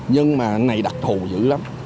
nhưng mà này đặc thù dữ lắm